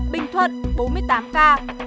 bình thuận bốn mươi tám ca